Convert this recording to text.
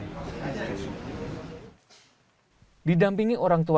didampingi orang tua serta anak anak pelaku memakai sebatang kayu